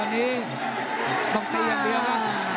เดินย่างสามขุมเข้ามาประกบนายอย่างเดียวแล้วตอนนี้